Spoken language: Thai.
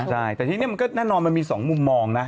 ใช่แต่ทีนี้มันก็แน่นอนมันมี๒มุมมองนะ